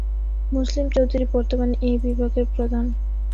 মুসলিম চৌধুরী বর্তমানে এ বিভাগের প্রধান।